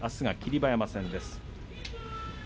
馬山戦です。